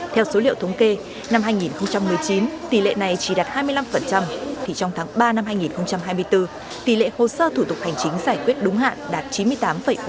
theo số liệu thống kê năm hai nghìn một mươi chín tỷ lệ này chỉ đạt hai mươi năm thì trong tháng ba năm hai nghìn hai mươi bốn tỷ lệ hồ sơ thủ tục hành chính giải quyết đúng hạn đạt chín mươi tám ba mươi